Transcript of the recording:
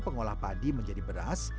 pengolah padi menjadi beras